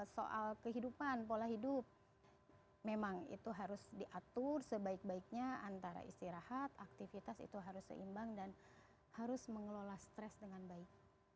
soal kehidupan pola hidup memang itu harus diatur sebaik baiknya antara istirahat aktivitas itu harus seimbang dan harus mengelola stres dengan baik